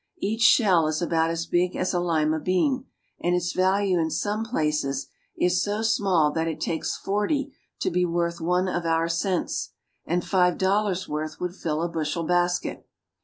Each shell is about as big as a lima bean, and its value in some places is so small that it takes forty to he worth one of our cents, and five dollars' worth would fill a bushel basket.